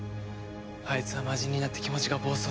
あいつは魔人になって気持ちが暴走してる。